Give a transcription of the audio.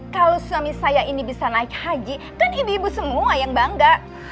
kalau suami saya ini bisa naik haji kan ibu ibu semua yang bangga